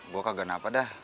gue kagak napa dah